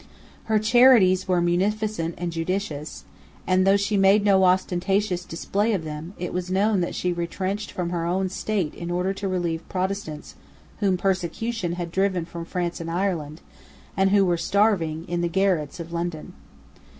Her charities were munificent and judicious; and, though she made no ostentatious display of them, it was known that she retrenched from her own state in order to relieve Protestants whom persecution had driven from France and Ireland, and who were starving in the garrets of London.